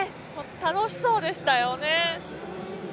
楽しそうでしたよね。